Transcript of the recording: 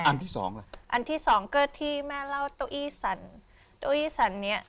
อันที่สองอะไรอันที่สองก็ที่แม่เล่าตัวอี้สันตัวอี้สันนี้